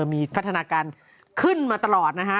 มีพัฒนาการขึ้นมาตลอดนะฮะ